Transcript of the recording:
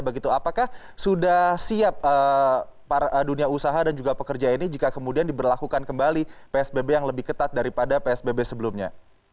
apakah sudah siap dunia usaha dan juga pekerja ini jika kemudian diberlakukan kembali psbb yang lebih ketat daripada psbb sebelumnya